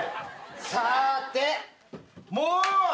さてもう。